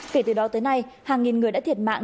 kể từ đó tới nay hàng nghìn người đã thiệt mạng